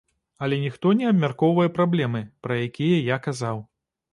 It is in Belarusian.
Але ніхто не абмяркоўвае праблемы, пра якія я казаў.